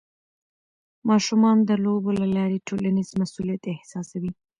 ماشومان د لوبو له لارې ټولنیز مسؤلیت احساسوي.